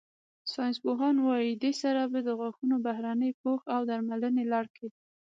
ساینسپوهان وايي، دې سره به د غاښونو بهرني پوښ او درملنې لړ کې